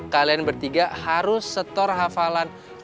kalian bertiga harus setor hafalan